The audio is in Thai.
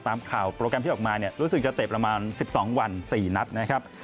ตามข่าวโปรแกรมที่ออกมาเนี่ยรู้สึกจะเตะประมาณ๑๒วัน๔นัดนะครับ